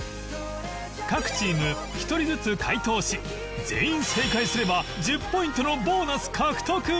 各チーム１人ずつ解答し全員正解すれば１０ポイントのボーナス獲得！